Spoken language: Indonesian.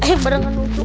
eh berangkan untuk